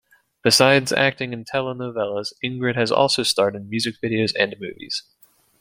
Besides acting in telenovelas, Ingrid has also starred in music videos and movies.